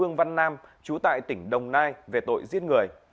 vương văn nam trú tại tỉnh đồng nai về tội giết người